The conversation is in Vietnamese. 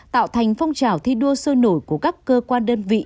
tạo thành phong trào thi đua sôi nổi của các cơ quan đơn vị